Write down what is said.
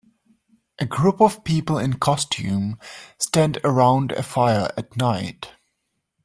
A group of people in costume stand around a fire at night.